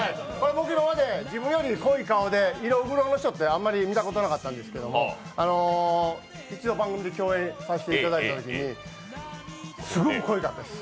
僕今まで自分より濃い顔で色黒の人って、あんまり見たことなかったんですけど一度、番組で共演させてもらったときにすごく濃かったです。